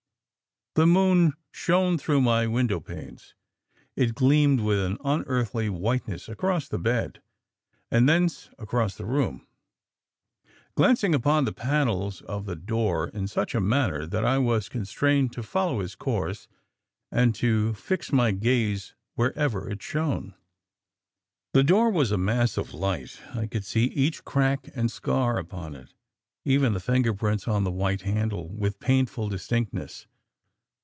"The moon shone through my window panes: it gleamed with an unearthly whiteness across the bed, and thence across the room, glancing upon the panels of the door in such a manner that I was constrained to follow its course and to fix my gaze wherever it shone. "The door was a mass of light: I could see each crack and scar upon it, even the finger prints on the white handle, with painful distinctness.